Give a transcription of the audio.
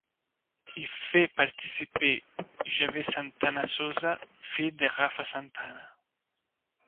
Il fait participer Javier Santana Sosa, fils de Rafa Santana.